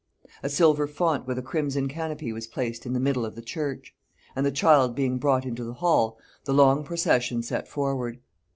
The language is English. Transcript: A silver font with a crimson canopy was placed in the middle of the church; and the child being brought into the hall, the long procession set forward.